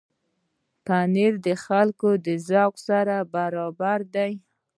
پنېر د خلکو د ذوق سره برابر دی.